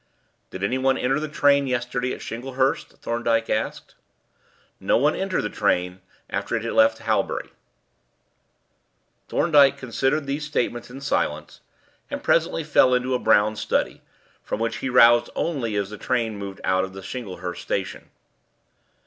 "Did anyone enter the train yesterday at Shinglehurst?" Thorndyke asked. "No one entered the train after it left Halbury." Thorndyke considered these statements in silence, and presently fell into a brown study, from which he roused only as the train moved out of Shinglehurst station.